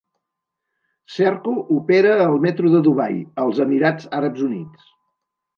Serco opera el metro de Dubai, als Emirats Àrabs Units.